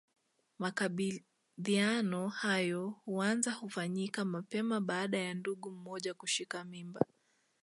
Makabidhiano hayo huanza kufanyika mapema baada ya ndugu mmoja kushika mimba